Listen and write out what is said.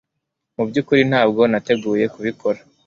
Mu byukuri ntabwo nateguye kubikora